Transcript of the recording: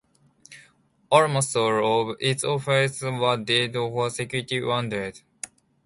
Almost all of its officers were dead or seriously wounded.